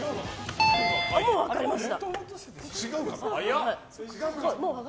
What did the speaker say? もう分かりました？